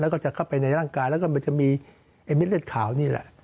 แล้วก็จะเข้าไปในร่างกายแล้วก็มันจะมีไอ้มิดเลือดขาวนี่แหละ